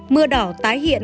mưa đỏ tái hiện